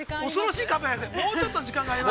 もうちょっと時間があります。